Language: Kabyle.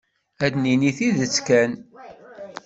Ad d-nini tidet kan.